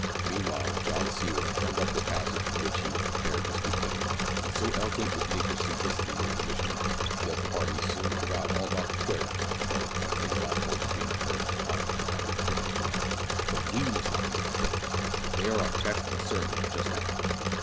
Meanwhile, John Seaward turned up the passage from which he had prepared to speak that evening. And so eloquent with nature's simplicity was the missionary, that the party soon forgot all about the Twitters while the comforting Gospel was being urged upon the unhappy creatures around. But we must not forget the Twitters. They are our text and sermon just now!